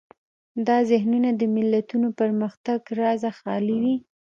دا ذهنونه د ملتونو پرمختګ رازه خالي وي.